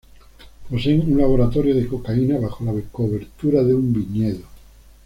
Poseen un laboratorio de cocaína bajo la cobertura de un viñedo.